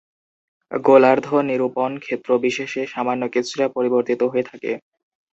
গোলার্ধ নিরূপণ ক্ষেত্রবিশেষে সামান্য কিছুটা পরিবর্তিত হয়ে থাকে।